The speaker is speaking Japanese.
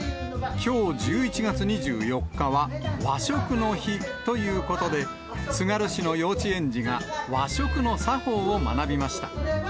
きょう１１月２４日は和食の日ということで、つがる市の幼稚園児が、和食の作法を学びました。